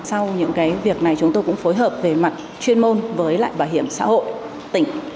sau những việc này chúng tôi cũng phối hợp về mặt chuyên môn với lại bảo hiểm xã hội tỉnh